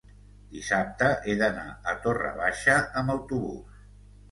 Dissabte he d'anar a Torre Baixa amb autobús.